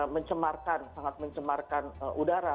mencemarkan sangat mencemarkan udara